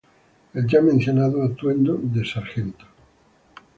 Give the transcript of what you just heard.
El ya mencionado atuendo de Sgt.